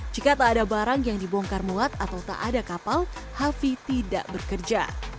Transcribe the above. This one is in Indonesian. jika tak ada barang yang dibongkar muat atau tak ada kapal hafi tidak bekerja